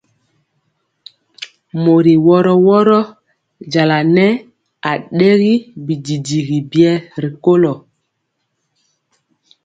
Mori woro woro njala nɛɛ adɛri bidigi biɛ rikolo.